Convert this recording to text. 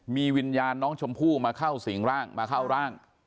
มีวิญญาณน้องชมพู่มาเข้าสิ่งร่างมาเข้าร่าง